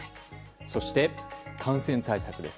そして、感染対策です。